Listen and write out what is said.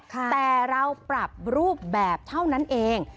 แต่เราปรับรูปแบบเท่านั้นเอง